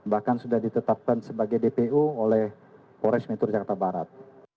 bahkan sudah ditetapkan sebagai dpu oleh polres metro jakarta barat